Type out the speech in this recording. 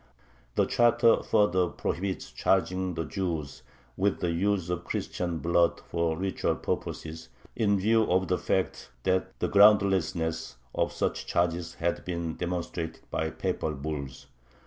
The charter further prohibits charging the Jews with the use of Christian blood for ritual purposes, in view of the fact that the groundlessness of such charges had been demonstrated by papal bulls.